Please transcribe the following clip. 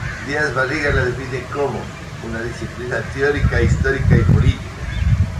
Díaz Barriga la define como: una disciplina teórica, histórica y política.